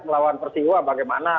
melawan persiwa bagaimana